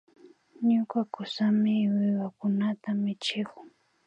Ñuka kusami wiwakunata michikun